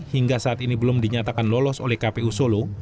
hingga saat ini belum dinyatakan lolos oleh kpu solo